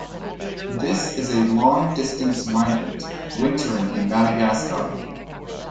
This is a long-distance migrant, wintering in Madagascar.